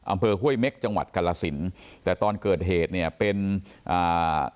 ห้วยเม็กจังหวัดกาลสินแต่ตอนเกิดเหตุเนี่ยเป็นอ่า